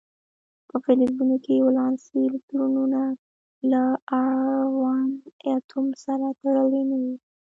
په فلزونو کې ولانسي الکترونونه له اړوند اتوم سره تړلي نه وي.